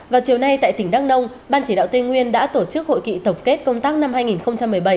vào chiều nay tại tỉnh đắk nông ban chỉ đạo tây nguyên đã tổ chức hội nghị tổng kết công tác năm hai nghìn một mươi bảy